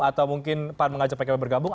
atau mungkin pan mengajak pkb bergabung